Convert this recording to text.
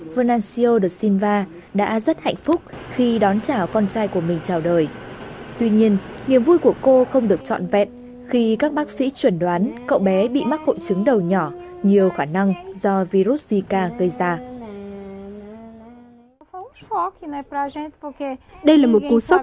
virus zika đã xuất hiện tại brazil vào tháng năm năm ngoái tuy nhiên những triệu chứng của loại virus này nhẹ hơn so với virus gây sốt xuất huyết